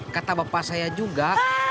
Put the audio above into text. kata bapak saya juga